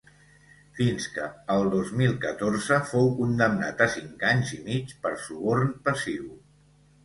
Fins que el dos mil catorze fou condemnat a cinc anys i mig per suborn passiu.